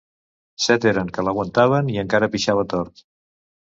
Set eren que l'aguantaven i encara pixava tort.